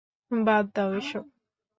বাদ দাও এসব।